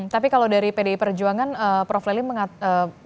tapi kalau dari pdi perjuangan prof lely melihat bagaimana kalau dari komunikasi politiknya